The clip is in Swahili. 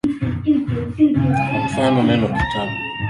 Kwa mfano, neno kitabu.